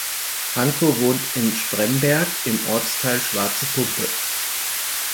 Hanko wohnt in Spremberg im Ortsteil Schwarze Pumpe.